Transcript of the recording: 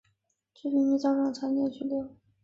这些平民也遭受长期拘留。